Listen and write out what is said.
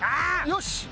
よし！